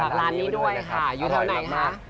ฝากร้านนี้ด้วยค่ะอยู่ทำไหนค่ะ